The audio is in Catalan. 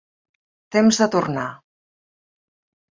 Temps de tornar.